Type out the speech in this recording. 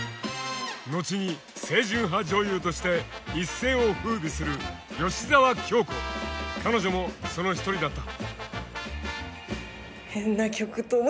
後に清純派女優として一世を風靡する彼女もその一人だった。